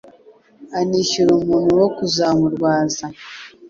anishyura umuntu wo kuzamurwaza